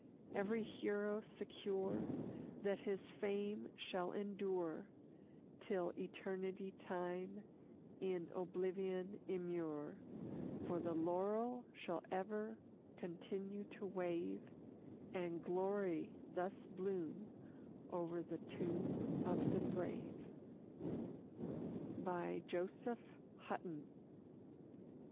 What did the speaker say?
Every hero secure That his fame shall endure Till eternity time in oblivion immure; For the laurel shall ever continue to wave, And glory thus bloom o'er the tomb of the brave. JOSEPH HUTTON.